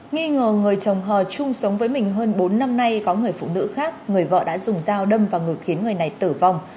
nghi ngờ người chồng hò chung sống với mình hơn bốn năm nay có người phụ nữ khác người vợ đã dùng dao đâm vào ngực khiến người này tử vong